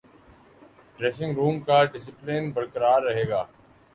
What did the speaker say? dressing room کا discipline برقرار رہے گا